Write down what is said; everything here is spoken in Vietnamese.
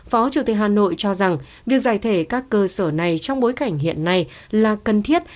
phó chủ tịch hà nội cho rằng việc giải thể các cơ sở này trong bối cảnh hiện nay là cần thiết